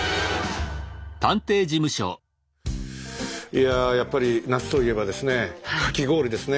いややっぱり夏と言えばですねかき氷ですね。